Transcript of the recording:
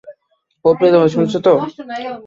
ও প্রিয়তমা, শুনছো তো?